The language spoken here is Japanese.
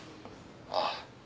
ああ。